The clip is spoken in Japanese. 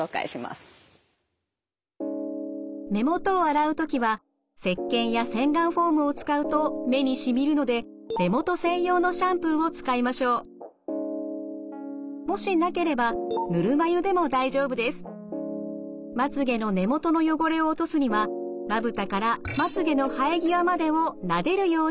目元を洗う時はせっけんや洗顔フォームを使うと目にしみるので目元専用のシャンプーを使いましょう。もしなければまつげの根元の汚れを落とすにはまぶたからまつげの生え際までをなでるように洗います。